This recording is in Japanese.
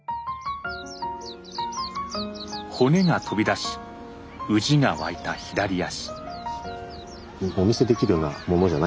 骨が飛び出しうじが湧いた左足。